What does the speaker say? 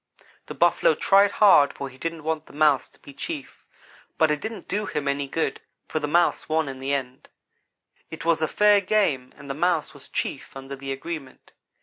The Buffalo tried hard for he didn't want the Mouse to be chief but it didn't do him any good; for the Mouse won in the end. "It was a fair game and the Mouse was chief under the agreement.